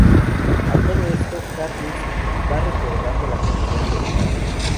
A todo esto, Katniss va recordando "La canción del Prado".